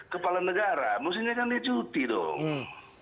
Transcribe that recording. kepala negara mestinya kan dia cuti dong